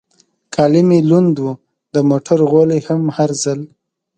کالي مې لوند و، د موټر غولی هم هر ځل.